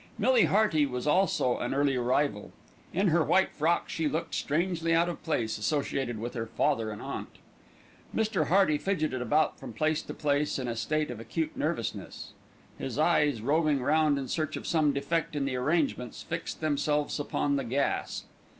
Millie Hearty was also an early arrival. In her white frock she looked strangely out of place associated with her father and aunt. Mr. Hearty fidgeted about from place to place in a state of acute nervousness. His eyes, roving round in search of some defect in the arrangements, fixed themselves upon the gas.